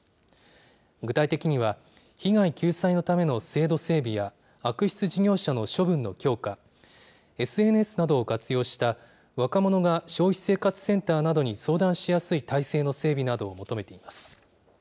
具体的には、被害救済のための制度整備や、悪質事業者の処分の強化、ＳＮＳなどを活用した若者が消費生活センターなどに相談しやすい体制の整備などを求めています。